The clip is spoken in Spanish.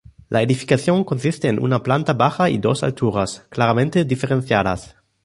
La edificación consiste en una planta baja y dos alturas, claramente diferenciadas.